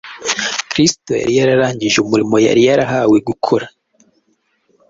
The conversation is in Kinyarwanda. Kristo yari yararangije umurimo yari yarahawe gukora.